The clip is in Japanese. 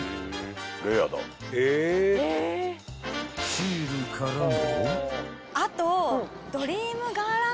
［シールからの］